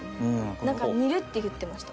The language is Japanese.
なんか煮るって言ってました。